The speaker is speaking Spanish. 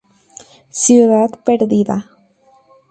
Ciudad perdida.